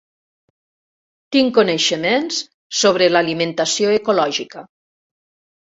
Tinc coneixements sobre l'alimentació ecològica.